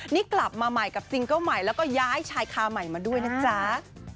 นี่กลับมาใหม่กับซิงเกิ้ลใหม่แล้วก็ย้ายชายคาใหม่มาด้วยนะจ๊ะ